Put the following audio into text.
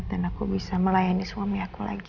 dan aku bisa melayani suami aku lagi